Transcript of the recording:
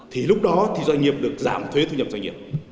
thì lúc đó thì doanh nghiệp được giảm thuế thu nhập doanh nghiệp